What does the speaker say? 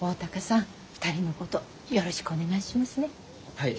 はい。